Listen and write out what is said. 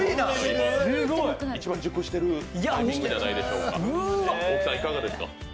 一番熟してるときじゃないでしょうか。